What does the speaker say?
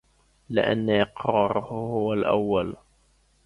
لِأَنَّ إقْرَارَهُ هُوَ الْأَوَّلُ